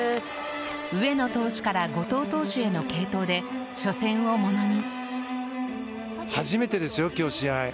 上野投手から後藤投手への継投で初戦をものに。